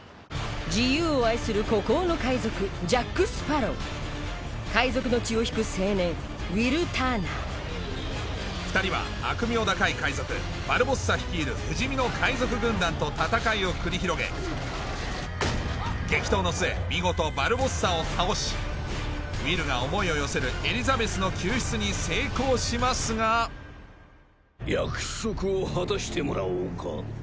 自由を愛する孤高の海賊ジャック・スパロウ海賊の血を引く青年ウィル・ターナー２人は悪名高い海賊バルボッサ率いる不死身の海賊軍団と戦いを繰り広げ激闘の末見事バルボッサを倒しウィルが思いを寄せるエリザベスの救出に成功しますが約束を果たしてもらおうか。